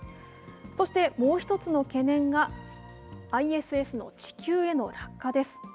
そしてもう１つの懸念が、ＩＳＳの地球への落下です。